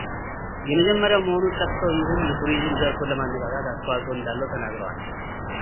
የመጀመሪያው መሆኑን ጠቅሰው ይህም የቱሪዝም ዘርፉን ለማነቃቃት አስተዋፅኦ እንዳለው ተናግረዋል።